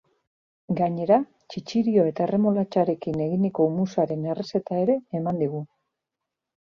Gainera, txitxirio eta erremolatxarekin eginiko hummusaren errezeta ere eman digu.